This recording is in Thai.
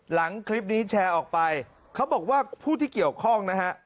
หลังคลิปนี้แชร์ออกไปเขาบอกว่าผู้ที่เกี่ยวข้องนะฮะ